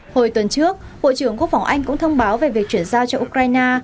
hồi tuần trước bộ trưởng quốc phòng anh cũng thông báo về việc chuyển giao cho ukraine